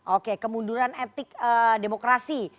oke kemunduran etik demokrasi